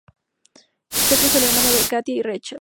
Zeke es el hermano de Katya y Rachel.